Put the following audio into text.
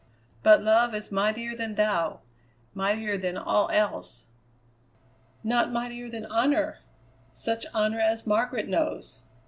But love is mightier than thou; mightier than all else!" "Not mightier than honour such honour as Margaret knows!"